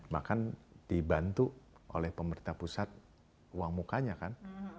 bahkan dibantu oleh pemerintah pusat uang mukanya kan